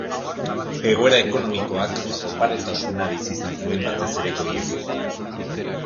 Egoera ekonomikoak oparotasuna bizi izan zuen, batez ere Goi Egipton.